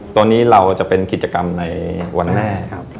ตัวนี้เราจะเป็นกิจกรรมในวันแรกครับ